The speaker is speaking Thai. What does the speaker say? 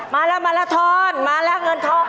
มาแล้วมาลาทอนมาแล้วเงินทอง